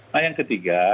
nah yang ketiga